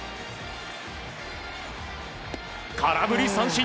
空振り三振！